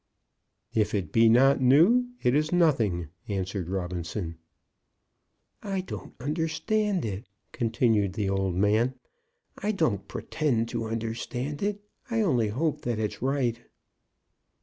"If it be not new, it is nothing," answered Robinson. "I don't understand it," continued the old man; "I don't pretend to understand it; I only hope that it's right."